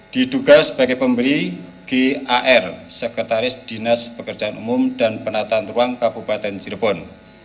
diduga sebagai pemberi gar sekretaris dinas pekerjaan umum dan penataan ruang kabupaten cirebon